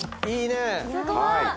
いいね！